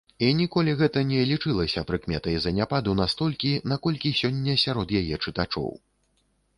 І ніколі гэта не лічылася прыкметай заняпаду настолькі, наколькі сёння сярод яе чытачоў.